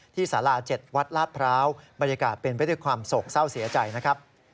สารา๗วัดลาดพร้าวบรรยากาศเป็นไปด้วยความโศกเศร้าเสียใจนะครับ